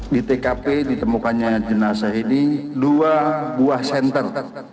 di tkp ditemukannya jenazah ini dua buah senter